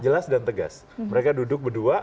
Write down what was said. jelas dan tegas mereka duduk berdua